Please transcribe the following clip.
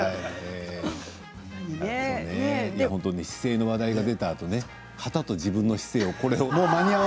本当に、姿勢の話題が出たあとにはたと自分の姿勢をね